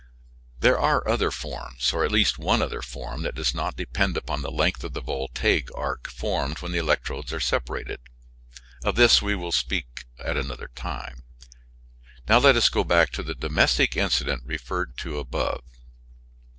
There are other forms, or at least one other form that does not depend upon the length of the voltaic arc formed when the electrodes are separated. Of this we will speak another time. Now let us go back to the domestic incident referred to above.